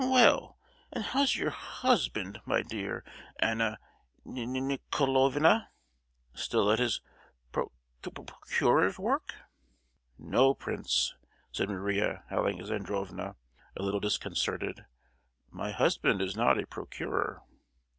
Well, and how's your h—husband, my dear Anna Nic—Nicolaevna? Still at his proc—procuror's work?" "No, prince!" said Maria Alexandrovna, a little disconcerted. "My husband is not a procurer."